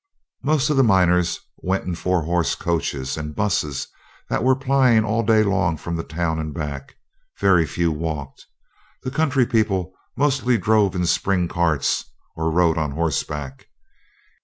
Most of the miners went in four horse coaches and 'buses that were plying all day long from the town and back; very few walked. The country people mostly drove in spring carts, or rode on horseback.